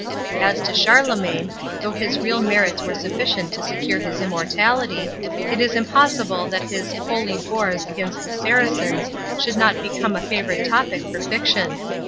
As to Charlemagne, though his real merits were sufficient to secure his immortality, it was impossible that his HOLY WARS against the Saracens should not become a favorite topic for fiction.